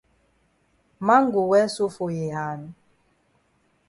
Man go well so for yi hand?